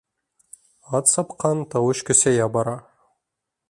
Ат сапҡан тауыш көсәйә бара.